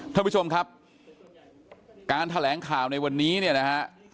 ท่านผู้ชมครับการแถลงข่าวในวันนี้เนี่ยนะฮะ